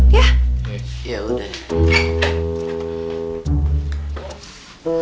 ya udah deh